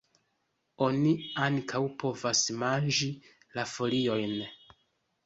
Oni ankaŭ povas manĝi la foliojn.